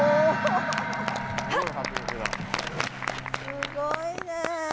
すごいね。